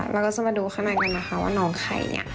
เราก็จะมาดูข้างในกันนะคะว่าน้องใครเนี่ย